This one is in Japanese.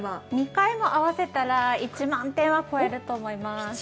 ２階も合わせたら１万点は超えると思います。